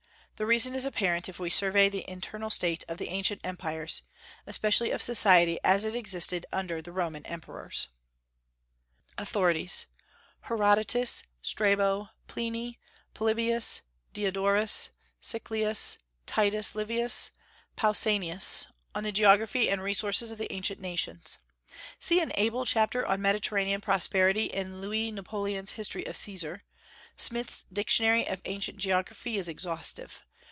The reason is apparent if we survey the internal state of the ancient empires, especially of society as it existed under the Roman emperors. AUTHORITIES. Herodotus, Strabo, Pliny, Polybius, Diodorus Siculus, Titus Livius, Pausanias, on the geography and resources of the ancient nations. See an able chapter on Mediterranean prosperity in Louis Napoleon's History of Caesar. Smith's Dictionary of Ancient Geography is exhaustive.